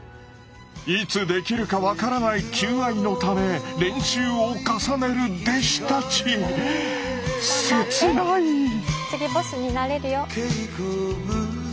いつできるか分からない求愛のため練習を重ねる弟子たち次ボスになれるよ。